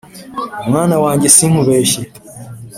mwana wanjye sinkubeshya